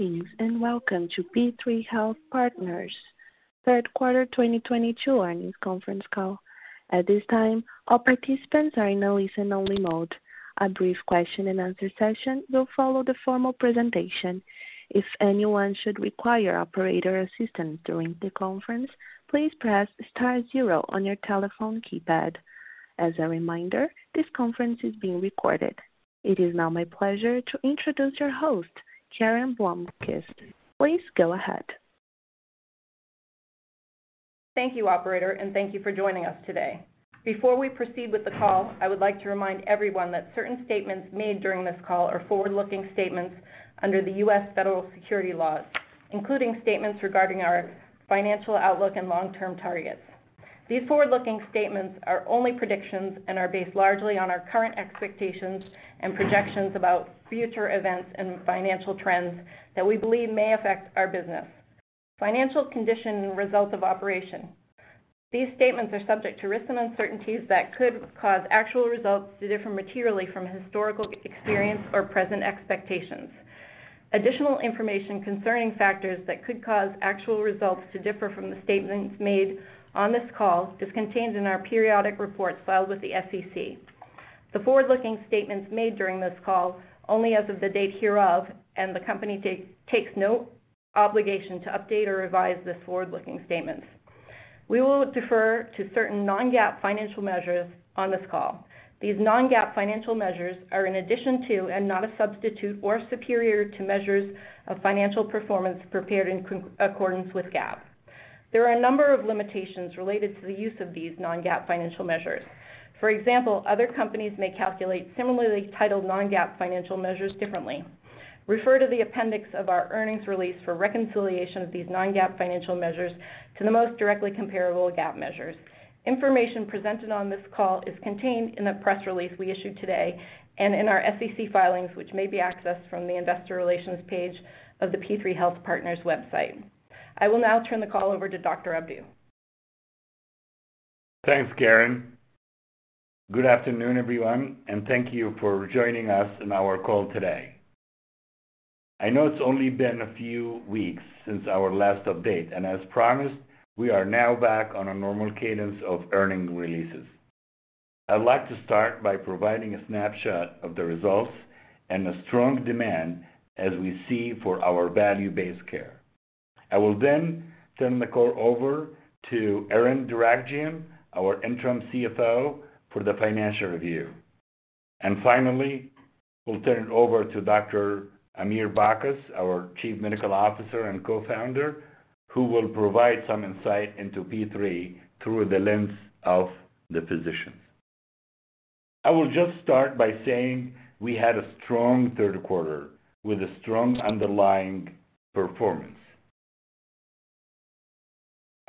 Greetings, and welcome to P3 Health Partners' Third Quarter 2022 Earnings Conference Call. At this time, all participants are in listen only mode. A brief Q&A session will follow the formal presentation. If anyone should require operator assistance during the conference, please press star zero on your telephone keypad. As a reminder, this conference is being recorded. It is now my pleasure to introduce your host, Karen Blomquist. Please go ahead. Thank you, operator, and thank you for joining us today. Before we proceed with the call, I would like to remind everyone that certain statements made during this call are forward-looking statements under the U.S. federal securities laws, including statements regarding our financial outlook and long-term targets. These forward-looking statements are only predictions and are based largely on our current expectations and projections about future events and financial trends that we believe may affect our business, financial condition and results of operations. These statements are subject to risks and uncertainties that could cause actual results to differ materially from historical experience or present expectations. Additional information concerning factors that could cause actual results to differ from the statements made on this call is contained in our periodic reports filed with the SEC. The forward-looking statements made during this call only as of the date hereof, and the company takes no obligation to update or revise these forward-looking statements. We will refer to certain non-GAAP financial measures on this call. These non-GAAP financial measures are in addition to and not a substitute or superior to measures of financial performance prepared in accordance with GAAP. There are a number of limitations related to the use of these non-GAAP financial measures. For example, other companies may calculate similarly titled non-GAAP financial measures differently. Refer to the appendix of our earnings release for reconciliation of these non-GAAP financial measures to the most directly comparable GAAP measures. Information presented on this call is contained in the press release we issued today and in our SEC filings, which may be accessed from the investor relations page of the P3 Health Partners website. I will now turn the call over to Dr. Sherif Abdou. Thanks, Karen. Good afternoon, everyone, and thank you for joining us in our call today. I know it's only been a few weeks since our last update, and as promised, we are now back on a normal cadence of earning releases. I'd like to start by providing a snapshot of the results and the strong demand as we see for our value-based care. I will then turn the call over to Erin Darakjian, our Interim CFO, for the financial review. Finally, we'll turn it over to Dr. Amir Bacchus, our Chief Medical Officer and Co-founder, who will provide some insight into P3 through the lens of the physicians. I will just start by saying we had a strong third quarter with a strong underlying performance.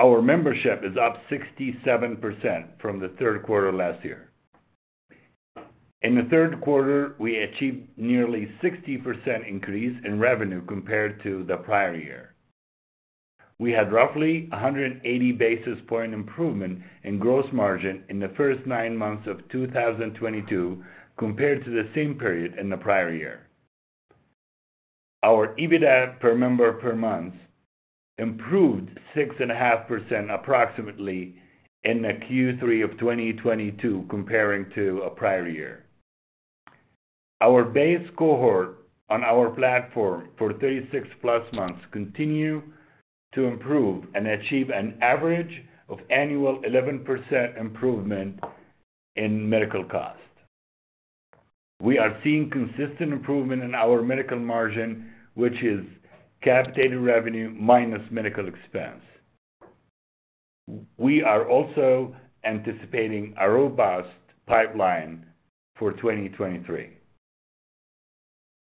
Our membership is up 67% from the third quarter last year. In the third quarter, we achieved nearly 60% increase in revenue compared to the prior year. We had roughly 180 basis point improvement in gross margin in the first nine months of 2022 compared to the same period in the prior year. Our EBITDA per member per month improved 6.5% approximately in the Q3 of 2022 comparing to a prior year. Our base cohort on our platform for 36+ months continue to improve and achieve an average of annual 11% improvement in medical cost. We are seeing consistent improvement in our medical margin, which is capitated revenue minus medical expense. We are also anticipating a robust pipeline for 2023.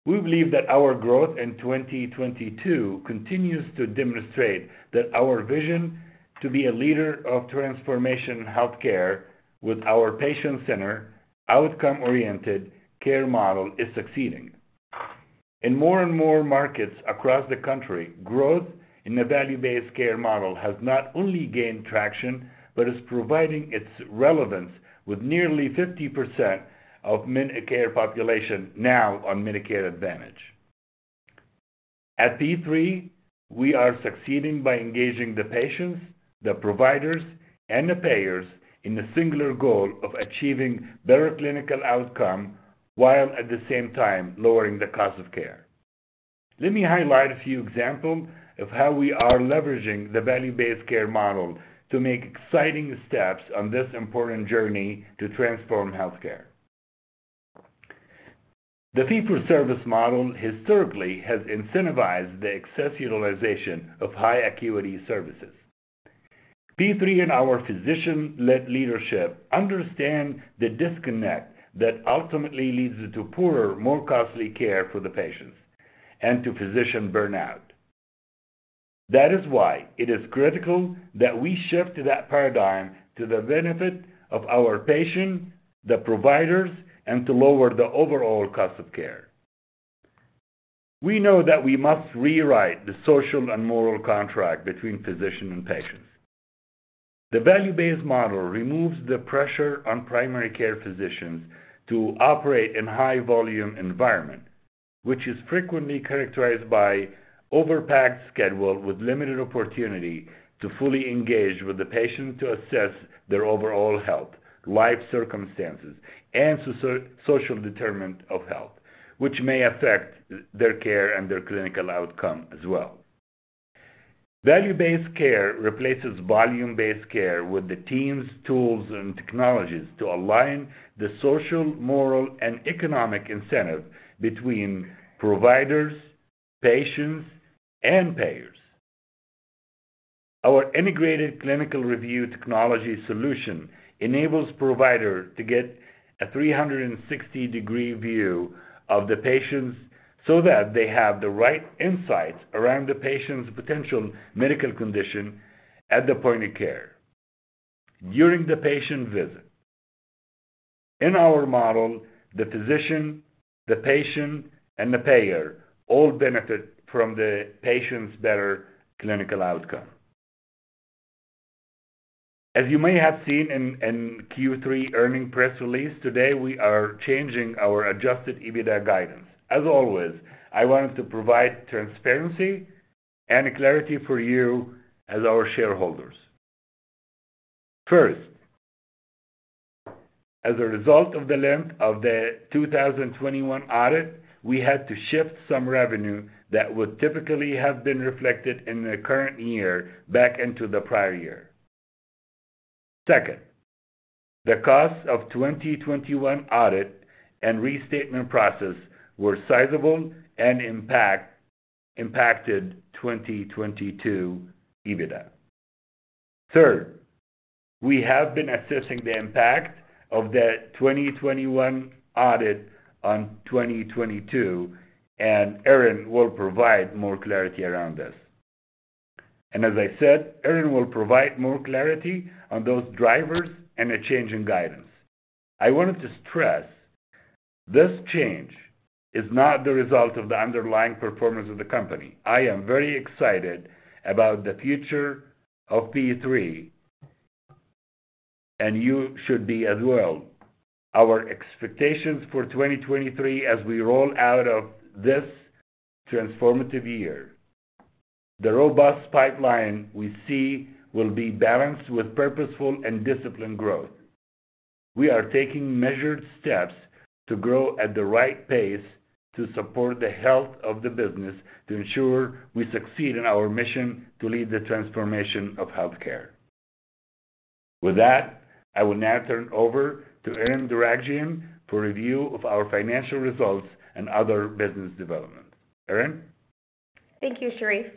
We believe that our growth in 2022 continues to demonstrate that our vision to be a leader of transformational health care with our patient-centered, outcome-oriented care model is succeeding. In more and more markets across the country, growth in the value-based care model has not only gained traction, but is proving its relevance with nearly 50% of Medicare population now on Medicare Advantage. At P3, we are succeeding by engaging the patients, the providers, and the payers in the singular goal of achieving better clinical outcome while at the same time lowering the cost of care. Let me highlight a few examples of how we are leveraging the value-based care model to make exciting steps on this important journey to transform healthcare. The fee-for-service model historically has incentivized the excess utilization of high acuity services. P3 and our physician-led leadership understand the disconnect that ultimately leads to poorer, more costly care for the patients and to physician burnout. That is why it is critical that we shift that paradigm to the benefit of our patients, the providers, and to lower the overall cost of care. We know that we must rewrite the social and moral contract between physician and patient. The value-based model removes the pressure on primary care physicians to operate in high volume environment, which is frequently characterized by overpacked schedule with limited opportunity to fully engage with the patient to assess their overall health, life circumstances, and social determinants of health, which may affect their care and their clinical outcome as well. Value-based care replaces volume-based care with the teams, tools, and technologies to align the social, moral, and economic incentive between providers, patients, and payers. Our integrated clinical review technology solution enables provider to get a 360-degree view of the patients so that they have the right insights around the patient's potential medical condition at the point of care during the patient visit. In our model, the physician, the patient, and the payer all benefit from the patient's better clinical outcome. As you may have seen in Q3 earnings press release, today, we are changing our Adjusted EBITDA guidance. As always, I wanted to provide transparency and clarity for you as our shareholders. First, as a result of the length of the 2021 audit, we had to shift some revenue that would typically have been reflected in the current year back into the prior year. Second, the cost of 2021 audit and restatement process were sizable and impacted 2022 EBITDA. Third, we have been assessing the impact of the 2021 audit on 2022, and Erin will provide more clarity around this. As I said, Erin will provide more clarity on those drivers and a change in guidance. I wanted to stress this change is not the result of the underlying performance of the company. I am very excited about the future of P3, and you should be as well. Our expectations for 2023 as we roll out of this transformative year. The robust pipeline we see will be balanced with purposeful and disciplined growth. We are taking measured steps to grow at the right pace to support the health of the business to ensure we succeed in our mission to lead the transformation of healthcare. With that, I will now turn over to Erin Darakjian for review of our financial results and other business development. Erin? Thank you, Sherif.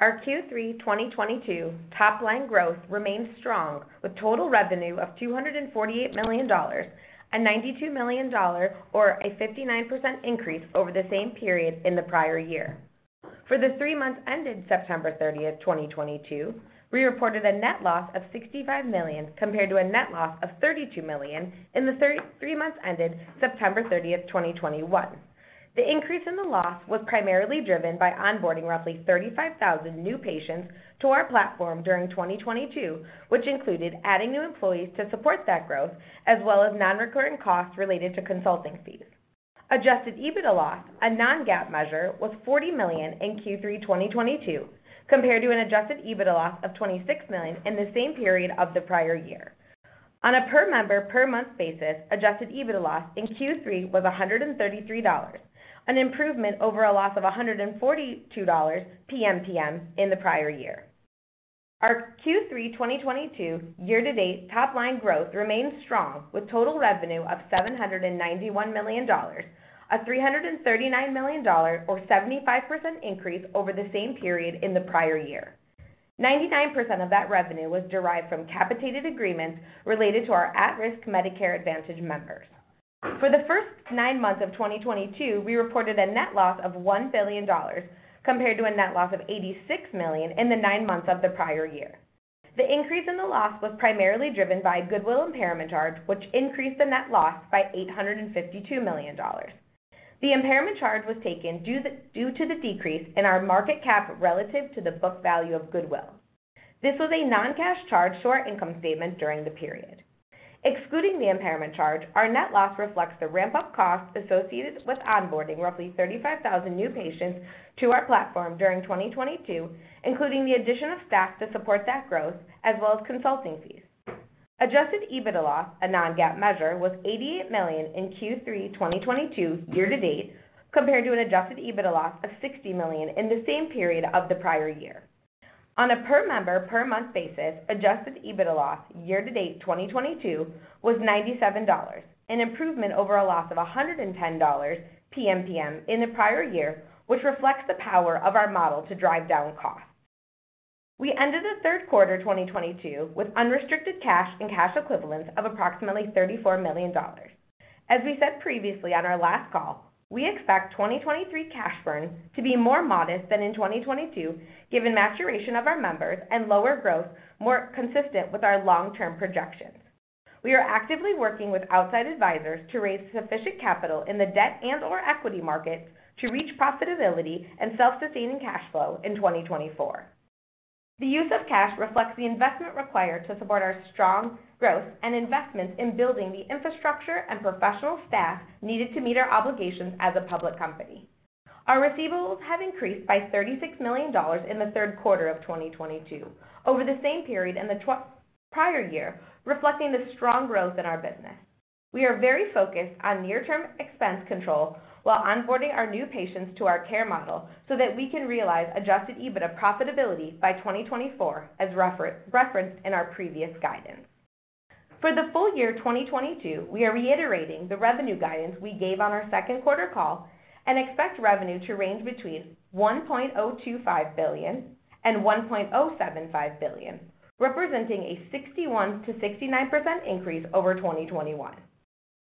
Our Q3 2022 top line growth remains strong with total revenue of $248 million, a $92 million or a 59% increase over the same period in the prior year. For the three months ended September 30th, 2022, we reported a net loss of $65 million compared to a net loss of $32 million in the three months ended September 30th, 2021. The increase in the loss was primarily driven by onboarding roughly 35,000 new patients to our platform during 2022, which included adding new employees to support that growth, as well as non-recurring costs related to consulting fees. Adjusted EBITDA loss, a non-GAAP measure, was $40 million in Q3 2022, compared to an Adjusted EBITDA loss of $26 million in the same period of the prior year. On a per member per month basis, Adjusted EBITDA loss in Q3 was $133, an improvement over a loss of $142 PMPM in the prior year. Our Q3 2022 year to date top line growth remains strong with total revenue of $791 million, a $339 million or 75% increase over the same period in the prior year. 99% of that revenue was derived from capitated agreements related to our at-risk Medicare Advantage members. For the first nine months of 2022, we reported a net loss of $1 billion compared to a net loss of $86 million in the nine months of the prior year. The increase in the loss was primarily driven by goodwill impairment charge, which increased the net loss by $852 million. The impairment charge was taken due to the decrease in our market cap relative to the book value of goodwill. This was a non-cash charge to our income statement during the period. Excluding the impairment charge, our net loss reflects the ramp-up cost associated with onboarding roughly 35,000 new patients to our platform during 2022, including the addition of staff to support that growth as well as consulting fees. Adjusted EBITDA loss, a non-GAAP measure, was $88 million in Q3 2022 year to date, compared to an Adjusted EBITDA loss of $60 million in the same period of the prior year. On a per member per month basis, Adjusted EBITDA loss year to date 2022 was $97, an improvement over a loss of $110 PMPM in the prior year, which reflects the power of our model to drive down costs. We ended the third quarter 2022 with unrestricted cash and cash equivalents of approximately $34 million. As we said previously on our last call, we expect 2023 cash burn to be more modest than in 2022, given maturation of our members and lower growth more consistent with our long-term projections. We are actively working with outside advisors to raise sufficient capital in the debt and/or equity market to reach profitability and self-sustaining cash flow in 2024. The use of cash reflects the investment required to support our strong growth and investments in building the infrastructure and professional staff needed to meet our obligations as a public company. Our receivables have increased by $36 million in the third quarter of 2022 over the same period in the prior year, reflecting the strong growth in our business. We are very focused on near-term expense control while onboarding our new patients to our care model so that we can realize Adjusted EBITDA profitability by 2024, as referenced in our previous guidance. For the full year 2022, we are reiterating the revenue guidance we gave on our second quarter call and expect revenue to range between $1.025 billion-$1.075 billion, representing a 61%-69% increase over 2021.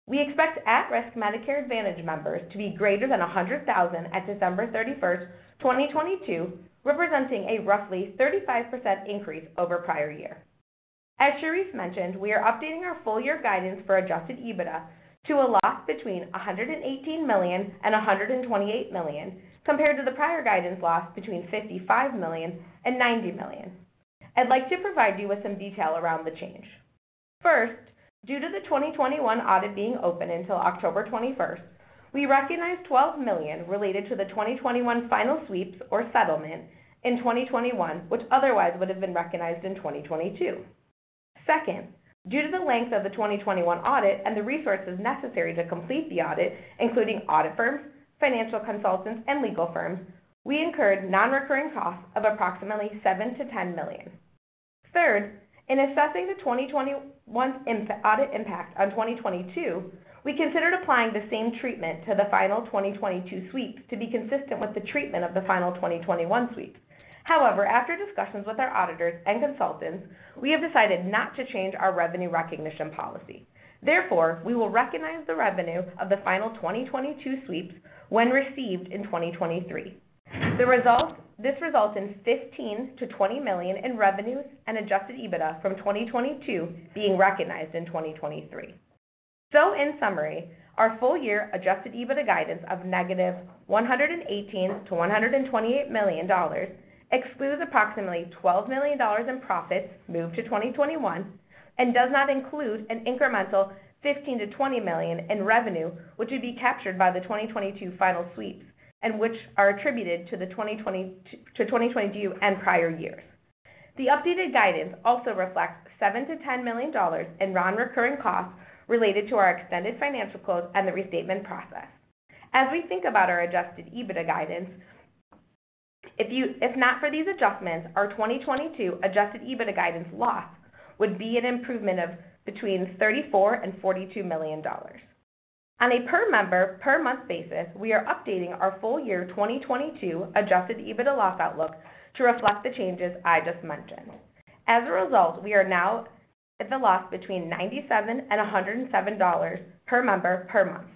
We expect at-risk Medicare Advantage members to be greater than 100,000 at December 31st, 2022, representing a roughly 35% increase over prior year. As Sherif mentioned, we are updating our full year guidance for Adjusted EBITDA to a loss between $118 million-$128 million compared to the prior guidance loss between $55 million-$90 million. I'd like to provide you with some detail around the change. First, due to the 2021 audit being open until October 21st, we recognized $12 million related to the 2021 final sweeps or settlement in 2021, which otherwise would have been recognized in 2022. Second, due to the length of the 2021 audit and the resources necessary to complete the audit, including audit firms, financial consultants, and legal firms, we incurred non-recurring costs of approximately $7 million-$10 million. Third, in assessing the 2021's audit impact on 2022, we considered applying the same treatment to the final 2022 sweeps to be consistent with the treatment of the final 2021 sweep. However, after discussions with our auditors and consultants, we have decided not to change our revenue recognition policy. Therefore, we will recognize the revenue of the final 2022 sweeps when received in 2023. This results in $15-$20 million in revenues and Adjusted EBITDA from 2022 being recognized in 2023. In summary, our full year Adjusted EBITDA guidance of -$118-$128 million excludes approximately $12 million in profits moved to 2021 and does not include an incremental $15-$20 million in revenue, which would be captured by the 2022 final sweeps and which are attributed to 2022 and prior years. The updated guidance also reflects $7-$10 million in non-recurring costs related to our extended financial close and the restatement process. As we think about our Adjusted EBITDA guidance, if not for these adjustments, our 2022 Adjusted EBITDA guidance loss would be an improvement of between $34 million and $42 million. On a per member per month basis, we are updating our full year 2022 Adjusted EBITDA loss outlook to reflect the changes I just mentioned. As a result, we are now at the loss between $97 and $107 per member per month.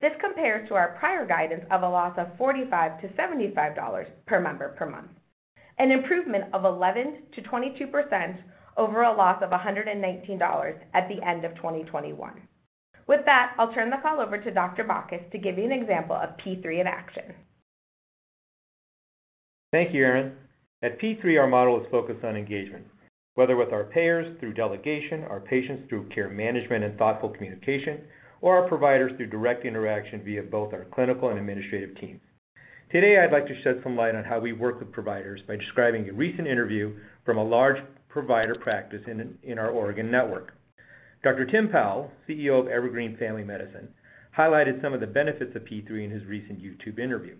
This compares to our prior guidance of a loss of $45-$75 per member per month, an improvement of 11%-22% over a loss of $119 at the end of 2021. With that, I'll turn the call over to Dr. Bacchus to give you an example of P3 in action. Thank you, Erin. At P3, our model is focused on engagement, whether with our payers through delegation, our patients through care management and thoughtful communication, or our providers through direct interaction via both our clinical and administrative teams. Today, I'd like to shed some light on how we work with providers by describing a recent interview from a large provider practice in our Oregon network. Dr. Tim Powell, CEO of Evergreen Family Medicine, highlighted some of the benefits of P3 in his recent YouTube interview.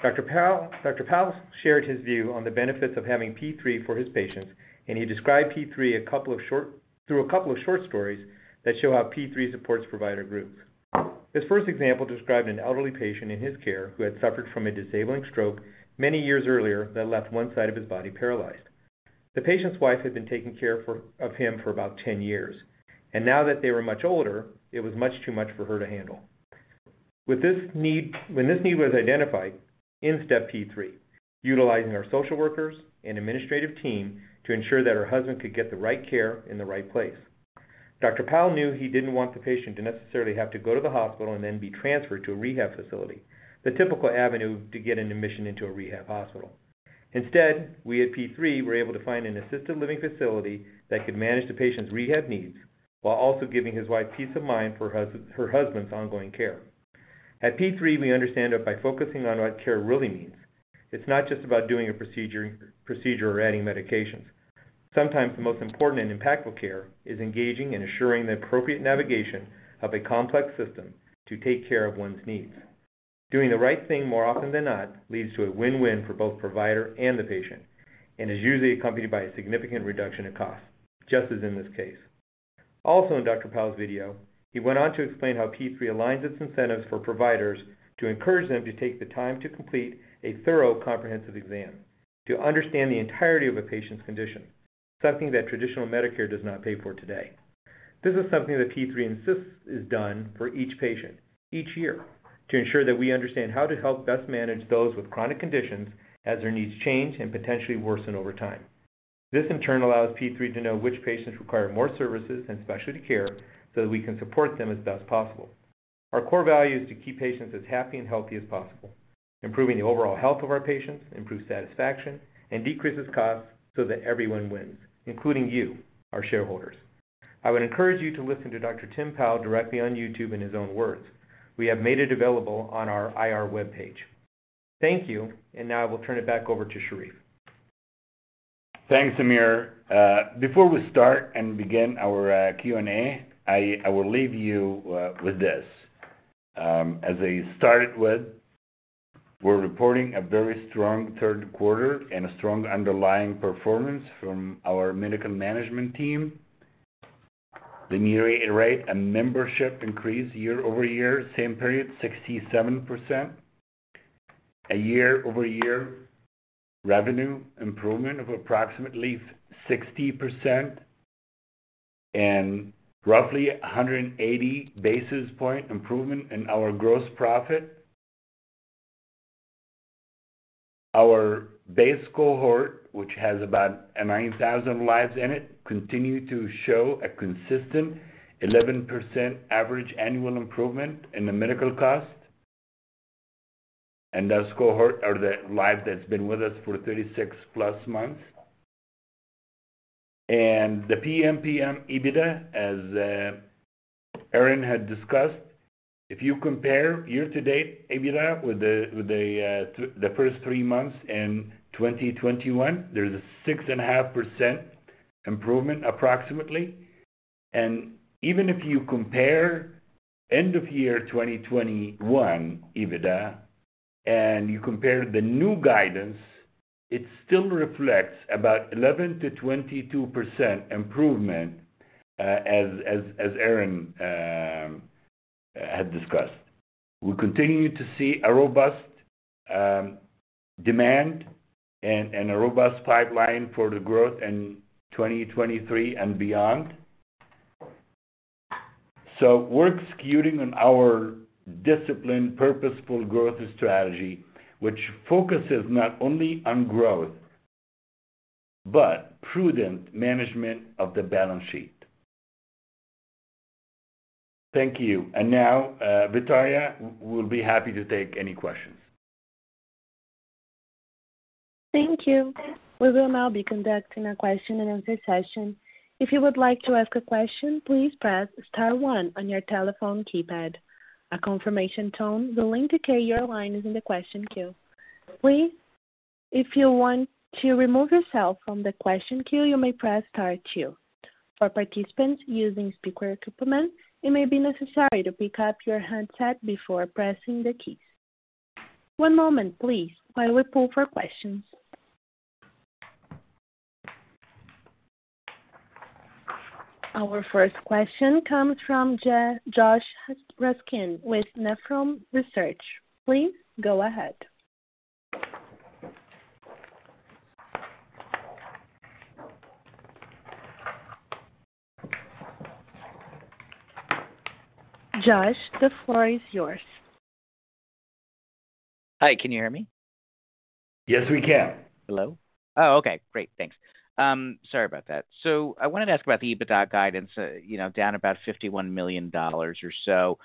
Dr. Powell shared his view on the benefits of having P3 for his patients, and he described P3 through a couple of short stories that show how P3 supports provider groups. His first example described an elderly patient in his care who had suffered from a disabling stroke many years earlier that left one side of his body paralyzed. The patient's wife had been taking care of him for about 10 years, and now that they were much older, it was much too much for her to handle. When this need was identified, in stepped P3, utilizing our social workers and administrative team to ensure that her husband could get the right care in the right place. Dr. Powell knew he didn't want the patient to necessarily have to go to the hospital and then be transferred to a rehab facility, the typical avenue to get an admission into a rehab hospital. Instead, we at P3 were able to find an assisted living facility that could manage the patient's rehab needs while also giving his wife peace of mind for her husband's ongoing care. At P3, we understand that by focusing on what care really means, it's not just about doing a procedure or adding medications. Sometimes the most important and impactful care is engaging and ensuring the appropriate navigation of a complex system to take care of one's needs. Doing the right thing more often than not leads to a win-win for both provider and the patient and is usually accompanied by a significant reduction in cost, just as in this case. Also in Dr. Powell's video, he went on to explain how P3 aligns its incentives for providers to encourage them to take the time to complete a thorough comprehensive exam to understand the entirety of a patient's condition, something that traditional Medicare does not pay for today. This is something that P3 insists is done for each patient each year to ensure that we understand how to help best manage those with chronic conditions as their needs change and potentially worsen over time. This in turn allows P3 to know which patients require more services and specialty care so that we can support them as best possible. Our core value is to keep patients as happy and healthy as possible, improving the overall health of our patients, improve satisfaction, and decreases costs so that everyone wins, including you, our shareholders. I would encourage you to listen to Dr. Tim Powell directly on YouTube in his own words. We have made it available on our IR webpage. Thank you. Now I will turn it back over to Sherif Abdou. Thanks, Amir. Before we start and begin our Q&A, I will leave you with this. As I started with, we're reporting a very strong third quarter and a strong underlying performance from our medical management team. The net rate and membership increase YoY, same period, 67%. A YoY revenue improvement of approximately 60% and roughly 180 basis point improvement in our gross profit. Our base cohort, which has about 9,000 lives in it, continue to show a consistent 11% average annual improvement in the medical cost. That cohort or the life that's been with us for 36+ months. The PMPM EBITDA, as Erin had discussed, if you compare year to date EBITDA with the first three months in 2021, there's a 6.5% improvement approximately. Even if you compare end of year 2021 EBITDA and you compare the new guidance, it still reflects about 11%-22% improvement, as Erin had discussed. We continue to see a robust demand and a robust pipeline for the growth in 2023 and beyond. We're executing on our disciplined, purposeful growth strategy, which focuses not only on growth, but prudent management of the balance sheet. Thank you. Now, Victoria, we'll be happy to take any questions. Thank you. We will now be conducting a Q&A session. If you would like to ask a question, please press star one on your telephone keypad. A confirmation tone will indicate your line is in the question queue. Please, if you want to remove yourself from the question queue, you may press star two. For participants using speaker equipment, it may be necessary to pick up your handset before pressing the keys. One moment, please, while we pull for questions. Our first question comes from Joshua Raskin with Nephron Research. Please go ahead. Josh, the floor is yours. Hi, can you hear me? Yes, we can. Hello? Oh, okay. Great. Thanks. Sorry about that. I wanted to ask about the EBITDA guidance, you know, down about $51 million or so.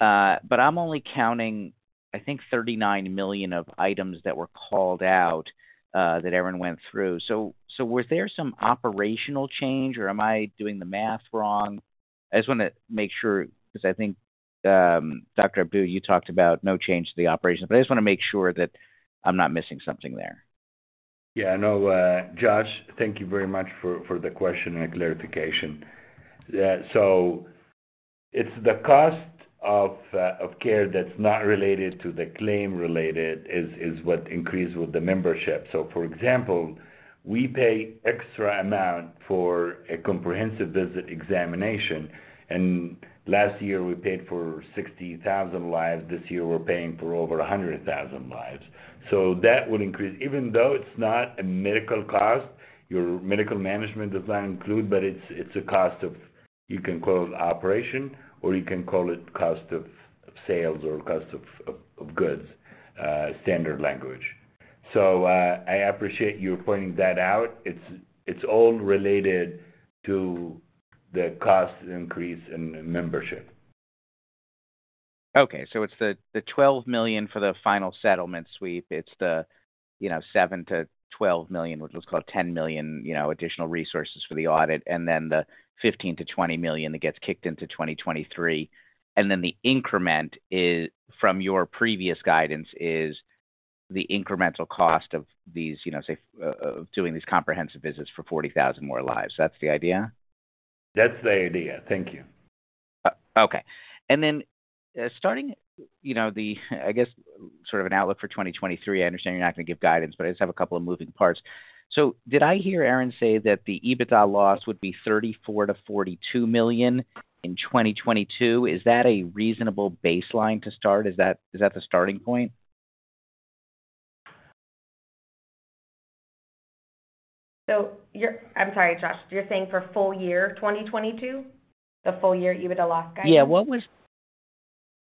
I'm only counting, I think $39 million of items that were called out, that Erin went through. Was there some operational change or am I doing the math wrong? I just wanna make sure, 'cause I think, Dr. Abdou, you talked about no change to the operation. I just wanna make sure that I'm not missing something there. Yeah, no, Josh, thank you very much for the question and clarification. It's the cost of care that's not related to the claim related is what increased with the membership. For example, we pay extra amount for a comprehensive visit examination, and last year we paid for 60,000 lives. This year, we're paying for over 100,000 lives. That would increase. Even though it's not a medical cost, your medical management does not include, but it's a cost of, you can call it operation or you can call it cost of sales or cost of goods, standard language. I appreciate you pointing that out. It's all related to the cost increase in membership. Okay. It's the $12 million for the final settlement sweep. It's the, you know, $7 million-$12 million, which let's call $10 million, you know, additional resources for the audit and then the $15 million-$20 million that gets kicked into 2023. Then the increment is, from your previous guidance, is the incremental cost of these, you know, say, doing these comprehensive visits for 40,000 more lives. That's the idea? That's the idea. Thank you. Okay. Starting, you know, the, I guess sort of an outlook for 2023, I understand you're not gonna give guidance, but I just have a couple of moving parts. Did I hear Erin say that the EBITDA loss would be $34 million-$42 million in 2022? Is that a reasonable baseline to start? Is that the starting point? I'm sorry, Josh. You're saying for full year 2022? The full year EBITDA loss guidance?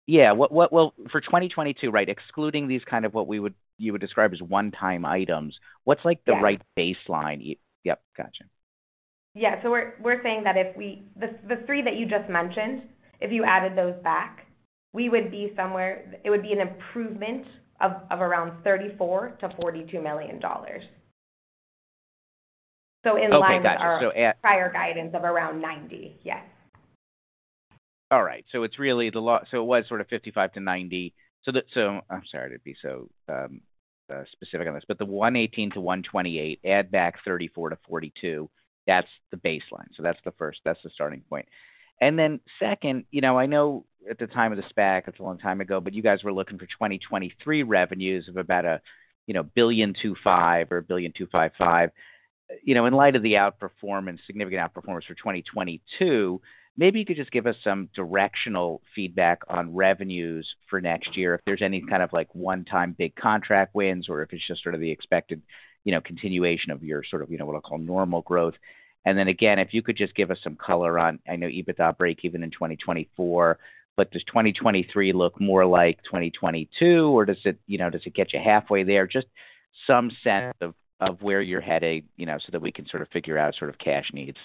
Yeah. Well, for 2022, right, excluding these kind of what we would, you would describe as one-time items, what's like the right baseline? Yep. Gotcha. Yeah. We're saying the three that you just mentioned, if you added those back, it would be an improvement of around $34 million-$42 million. In line with our prior guidance of around $90 million. Yes. All right. It was sort of 55-90. I'm sorry to be so specific on this, but the 118-128, add back 34-42, that's the baseline. That's the first, that's the starting point. Then second, you know, I know at the time of the SPAC, it's a long time ago, but you guys were looking for 2023 revenues of about a, you know, $1.25 billion or a $1.255 billion. You know, in light of the outperformance, significant outperformance for 2022, maybe you could just give us some directional feedback on revenues for next year, if there's any kind of, like, one-time big contract wins or if it's just sort of the expected, you know, continuation of your sort of, you know, what I'll call normal growth. Then again, if you could just give us some color on, I know EBITDA breakeven in 2024, but does 2023 look more like 2022, or does it, you know, does it get you halfway there? Just some sense of where you're headed, you know, so that we can sort of figure out sort of cash needs.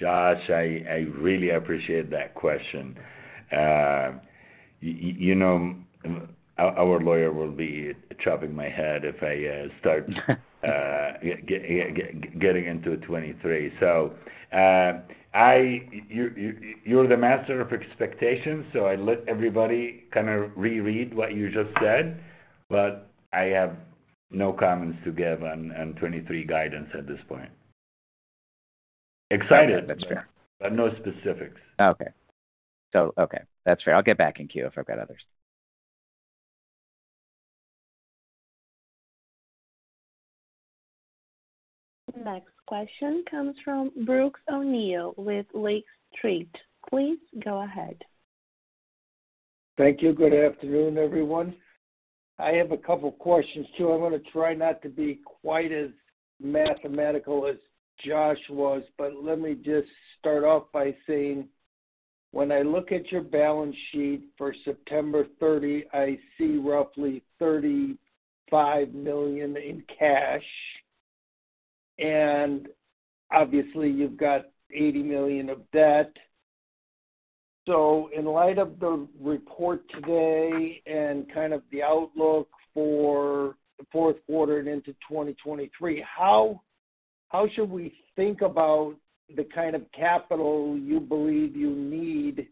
Josh, I really appreciate that question. You know, our lawyer will be chopping my head if I start getting into 2023. You're the master of expectations, so I let everybody kind of reread what you just said, but I have no comments to give on 2023 guidance at this point. That's fair. Excited, but no specifics. Okay. That's fair. I'll get back in queue if I've got others. Next question comes from Brooks O'Neil with Lake Street. Please go ahead. Thank you. Good afternoon, everyone. I have a couple questions too. I'm gonna try not to be quite as mathematical as Josh was, but let me just start off by saying, when I look at your balance sheet for September 30th, I see roughly $35 million in cash, and obviously you've got $80 million of debt. In light of the report today and kind of the outlook for the fourth quarter and into 2023, how should we think about the kind of capital you believe you need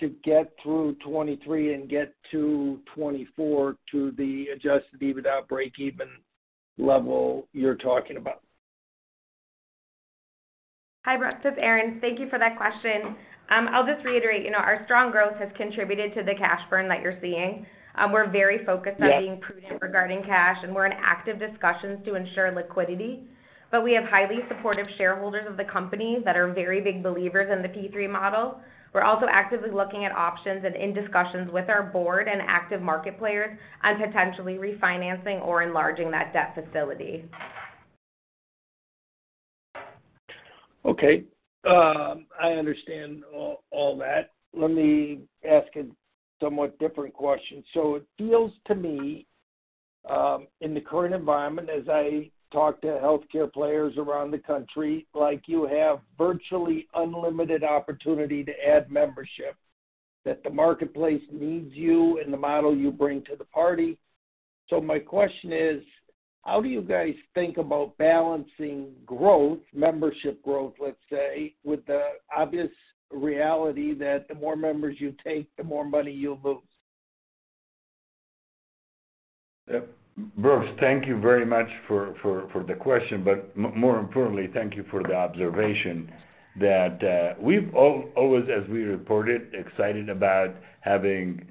to get through 2023 and get to 2024 to the Adjusted EBITDA breakeven level you're talking about? Hi, Brooks O'Neil. This is Erin Darakjian. Thank you for that question. I'll just reiterate, you know, our strong growth has contributed to the cash burn that you're seeing. We're very focused on being prudent regarding cash, and we're in active discussions to ensure liquidity. We have highly supportive shareholders of the company that are very big believers in the P3 model. We're also actively looking at options and in discussions with our board and active market players on potentially refinancing or enlarging that debt facility. Okay. I understand all that. Let me ask a somewhat different question. It feels to me, in the current environment as I talk to healthcare players around the country, like you have virtually unlimited opportunity to add membership, that the marketplace needs you and the model you bring to the party. My question is: How do you guys think about balancing growth, membership growth, let's say, with the obvious reality that the more members you take, the more money you'll lose? Brooks, thank you very much for the question. But more importantly, thank you for the observation that we've always, as we reported, excited about having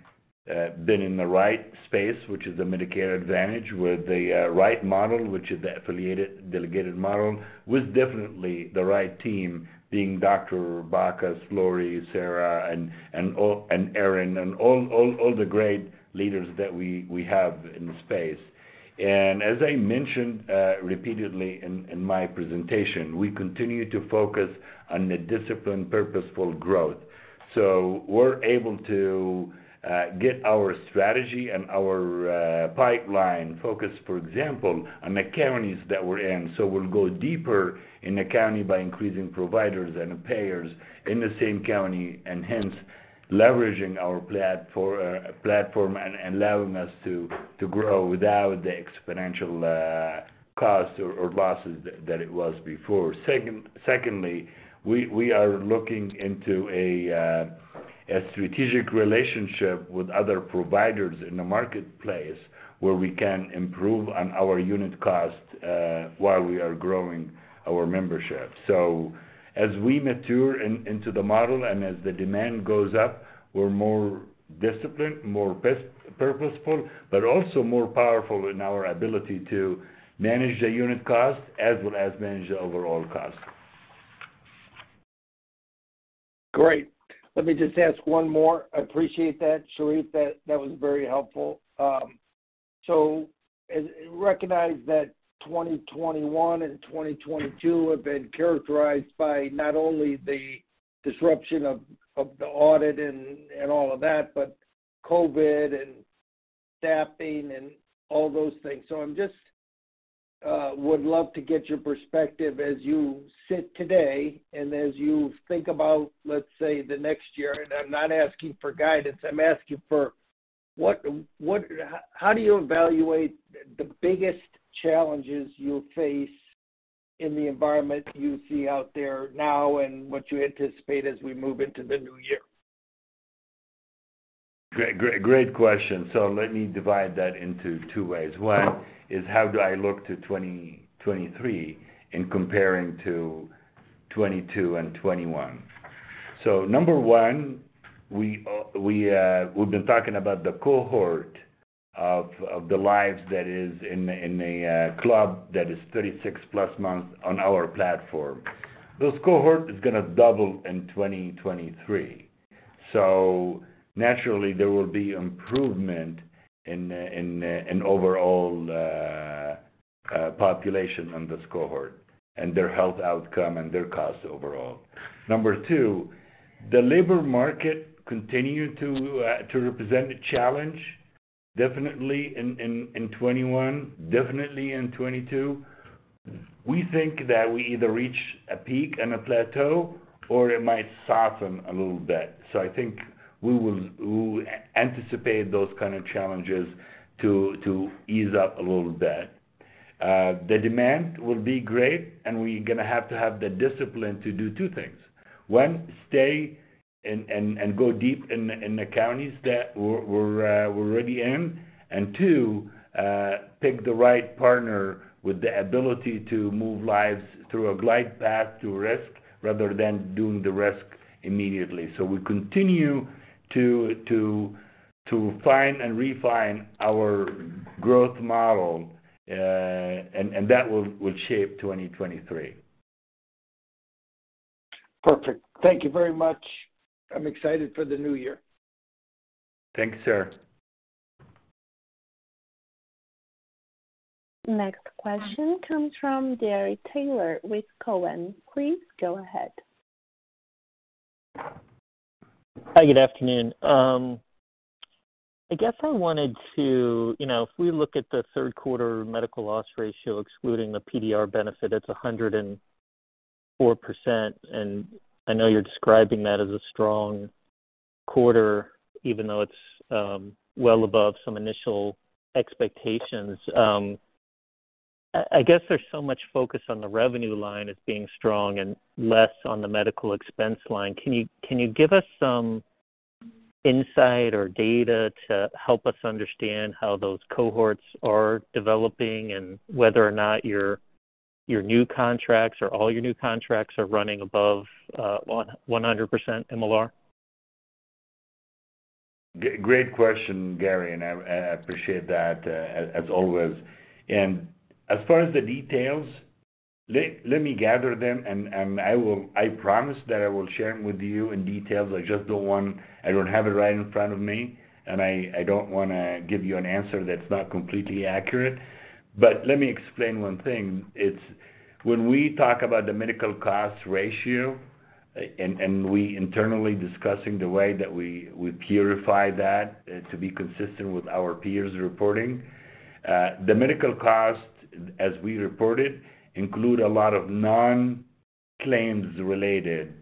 been in the right space, which is the Medicare Advantage, with the right model, which is the affiliated delegated model, with definitely the right team being Dr. Bacchus, Laurie, Sarah, and Erin and all the great leaders that we have in the space. As I mentioned repeatedly in my presentation, we continue to focus on the disciplined, purposeful growth. We're able to get our strategy and our pipeline focus, for example, on the counties that we're in. We'll go deeper in the county by increasing providers and payers in the same county, and hence leveraging our platform and allowing us to grow without the exponential costs or losses that it was before. Second, we are looking into a strategic relationship with other providers in the marketplace where we can improve on our unit cost while we are growing our membership. As we mature into the model and as the demand goes up, we're more disciplined, more purposeful, but also more powerful in our ability to manage the unit cost as well as manage the overall cost. Great. Let me just ask one more. I appreciate that, Sherif. That was very helpful. Recognize that 2021 and 2022 have been characterized by not only the disruption of the audit and all of that, but COVID and staffing and all those things. I'm just would love to get your perspective as you sit today and as you think about, let's say, the next year, and I'm not asking for guidance, I'm asking for what, how do you evaluate the biggest challenges you face in the environment you see out there now and what you anticipate as we move into the new year? Great question. Let me divide that into two ways. One is how do I look to 2023 in comparing to 2022 and 2021. Number one, we've been talking about the cohort of the lives that is in a club that is 36+ months on our platform. This cohort is gonna double in 2023. Naturally, there will be improvement in overall population on this cohort and their health outcome and their cost overall. Number two, the labor market continued to represent a challenge, definitely in 2021, definitely in 2022. We think that we either reach a peak and a plateau or it might soften a little bit. I think we will, we anticipate those kind of challenges to ease up a little bit. The demand will be great, and we're gonna have to have the discipline to do two things. One, stay and go deep in the counties that we're already in. Two, pick the right partner with the ability to move lives through a glide path to risk rather than doing the risk immediately. We continue to find and refine our growth model, and that will shape 2023. Perfect. Thank you very much. I'm excited for the new year. Thank you, sir. Next question comes from Gary Taylor with Cowen. Please go ahead. Hi, good afternoon. I guess I wanted to, you know, if we look at the third quarter medical loss ratio, excluding the PDR benefit, it's 104%. I know you're describing that as a strong quarter, even though it's well above some initial expectations. I guess there's so much focus on the revenue line as being strong and less on the medical expense line. Can you give us some insight or data to help us understand how those cohorts are developing and whether or not your new contracts or all your new contracts are running above 100% MLR? Great question, Gary, and I appreciate that as always. As far as the details, let me gather them, and I will. I promise that I will share them with you in detail. I don't have it right in front of me, and I don't wanna give you an answer that's not completely accurate. Let me explain one thing. It's when we talk about the medical loss ratio, and we internally discussing the way that we purify that to be consistent with our peers' reporting, the medical loss, as we report it, include a lot of non-claims related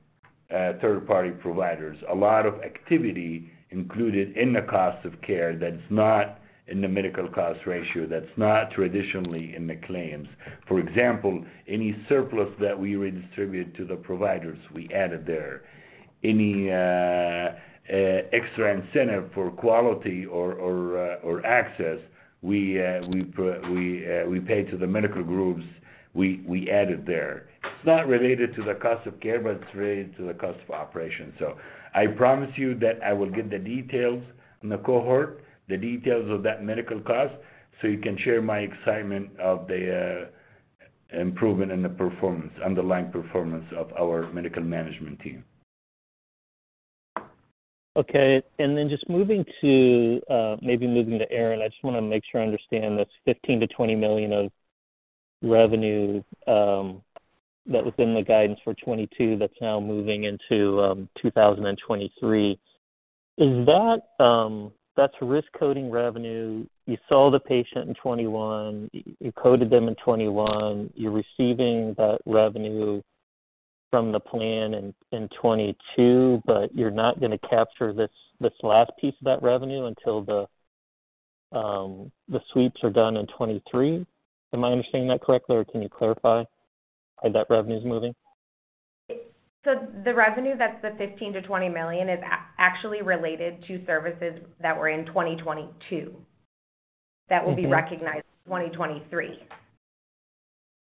third-party providers. A lot of activity included in the cost of care that's not in the medical loss ratio, that's not traditionally in the claims. For example, any surplus that we redistribute to the providers, we added there. Any extra incentive for quality or access, we pay to the medical groups, we added there. It's not related to the cost of care, but it's related to the cost of operation. I promise you that I will get the details on the cohort, the details of that medical cost, so you can share my excitement of the improvement in the performance, underlying performance of our medical management team. Okay. Just moving to Erin, I just wanna make sure I understand this $15-$20 million of revenue that was in the guidance for 2022 that's now moving into 2023. Is that risk coding revenue. You saw the patient in 2021, you coded them in 2021. You're receiving that revenue from the plan in 2022, but you're not gonna capture this last piece of that revenue until the sweeps are done in 2023? Am I understanding that correctly, or can you clarify how that revenue is moving? The revenue that's the $15-$20 million is actually related to services that were in 2022. Mm-hmm. That will be recognized in 2023.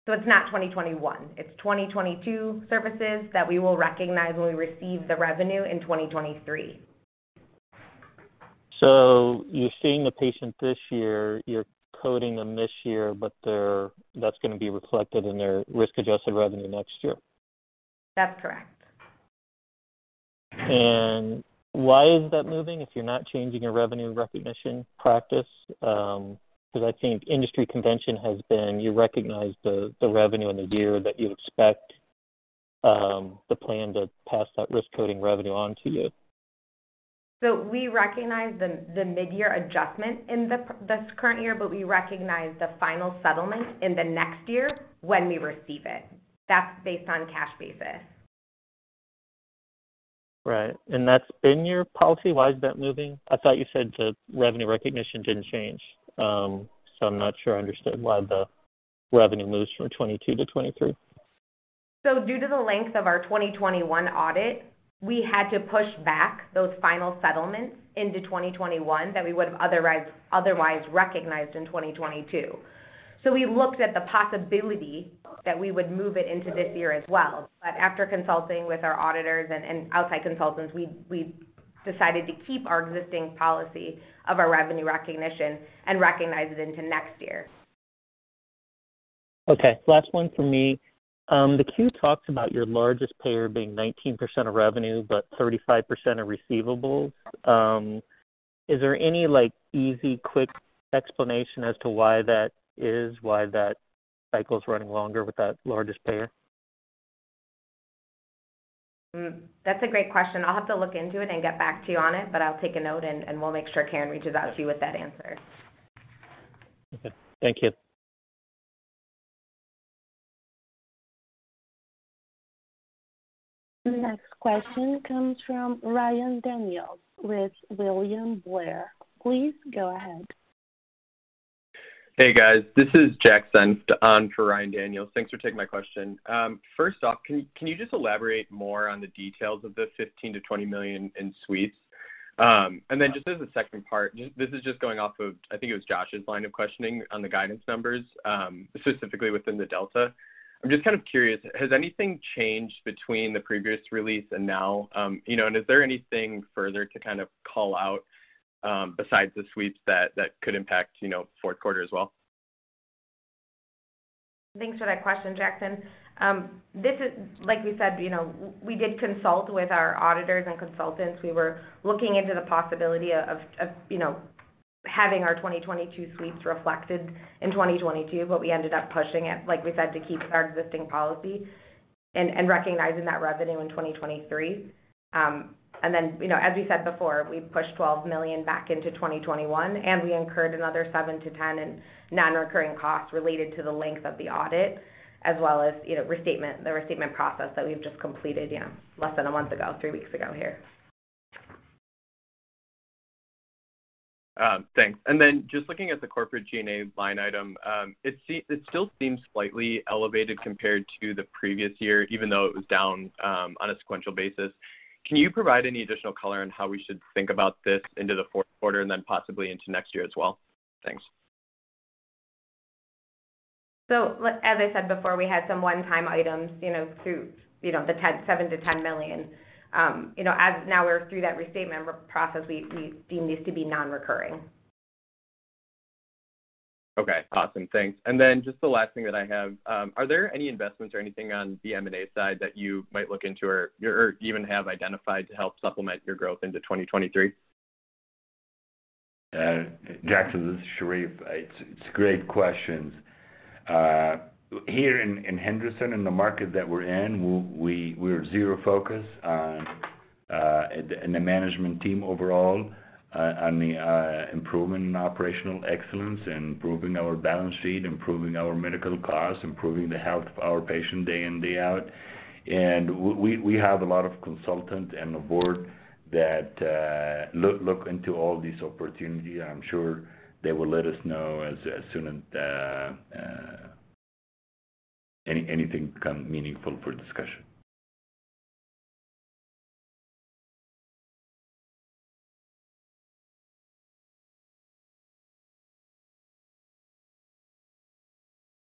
It's not 2021. It's 2022 services that we will recognize when we receive the revenue in 2023. You're seeing the patient this year, you're coding them this year, but that's gonna be reflected in their risk-adjusted revenue next year. That's correct. Why is that moving if you're not changing your revenue recognition practice? 'Cause I think industry convention has been, you recognize the revenue in the year that you expect the plan to pass that risk coding revenue on to you. We recognize the mid-year adjustment in this current year, but we recognize the final settlement in the next year when we receive it. That's based on cash basis. Right. That's been your policy. Why is that moving? I thought you said the revenue recognition didn't change, so I'm not sure I understood why the revenue moves from 2022 to 2023. Due to the length of our 2021 audit, we had to push back those final settlements into 2021 that we would have otherwise recognized in 2022. We looked at the possibility that we would move it into this year as well. After consulting with our auditors and outside consultants, we decided to keep our existing policy of our revenue recognition and recognize it into next year. Okay. Last one for me. The queue talks about your largest payer being 19% of revenue, but 35% of receivables. Is there any, like, easy, quick explanation as to why that is, why that cycle is running longer with that largest payer? That's a great question. I'll have to look into it and get back to you on it, but I'll take a note and we'll make sure Karen reaches out to you with that answer. Okay. Thank you. The next question comes from Ryan Daniels with William Blair. Please go ahead. Hey, guys. This is Jackson on for Ryan Daniels. Thanks for taking my question. First off, can you just elaborate more on the details of the $15 million-$20 million in sweeps? And then just as a second part, this is just going off of I think it was Josh Raskin's line of questioning on the guidance numbers, specifically within the delta. I'm just kind of curious, has anything changed between the previous release and now? You know, and is there anything further to kind of call out, besides the sweeps that could impact, you know, fourth quarter as well? Thanks for that question, Jackson. Like we said, you know, we did consult with our auditors and consultants. We were looking into the possibility of, you know, having our 2022 sweeps reflected in 2022, but we ended up pushing it, like we said, to keep our existing policy and recognizing that revenue in 2023. You know, as we said before, we pushed $12 million back into 2021, and we incurred another $7 million-$10 million in non-recurring costs related to the length of the audit, as well as, you know, restatement, the restatement process that we've just completed, yeah, less than a month ago, three weeks ago here. Thanks. Then just looking at the corporate G&A line item, it still seems slightly elevated compared to the previous year, even though it was down on a sequential basis. Can you provide any additional color on how we should think about this into the fourth quarter and then possibly into next year as well? Thanks. As I said before, we had some one-time items, you know, totaling $7 million-$10 million. Now we're through that restatement process, we deem these to be non-recurring. Okay. Awesome. Thanks. Just the last thing that I have, are there any investments or anything on the M&A side that you might look into or even have identified to help supplement your growth into 2023? Jackson, this is Sherif. It's great question. Here in Henderson, in the market that we're in, we're laser focused on, in the management team overall, on the improvement in operational excellence, improving our balance sheet, improving our medical costs, improving the health of our patients day in, day out. We have a lot of consultants and the board that look into all these opportunities. I'm sure they will let us know as soon as anything become meaningful for discussion.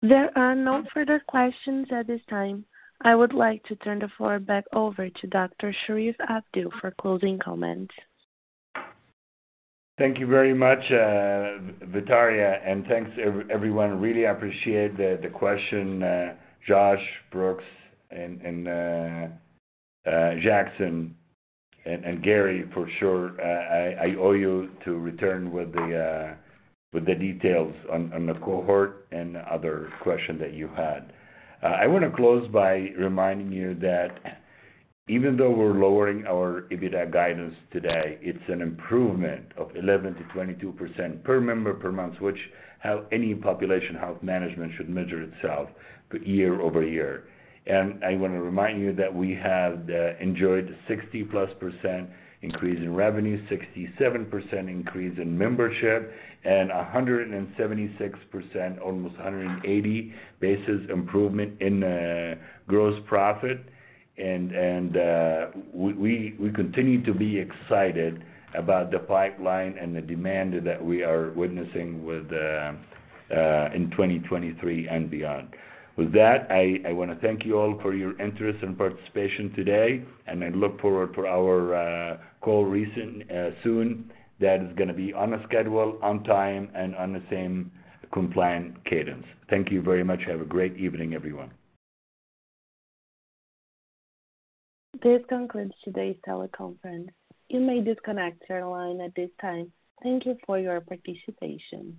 There are no further questions at this time. I would like to turn the floor back over to Dr. Sherif Abdou for closing comments. Thank you very much, Victoria, and thanks everyone. Really appreciate the question, Josh, Brooks, Jackson, and Gary, for sure. I owe you to return with the details on the cohort and other question that you had. I wanna close by reminding you that even though we're lowering our EBITDA guidance today, it's an improvement of 11%-22% per member per month, which is how any population health management should measure itself YoY. I wanna remind you that we have enjoyed 60%+ increase in revenue, 67% increase in membership, and 176 to almost 180 basis points improvement in gross profit. We continue to be excited about the pipeline and the demand that we are witnessing in 2023 and beyond. With that, I wanna thank you all for your interest and participation today, and I look forward to our next call soon. That is gonna be on schedule, on time, and on the same compliant cadence. Thank you very much. Have a great evening, everyone. This concludes today's teleconference. You may disconnect your line at this time. Thank you for your participation.